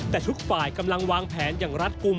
แต่ทุกฝ่ายกำลังวางแผนอย่างรัฐกลุ่ม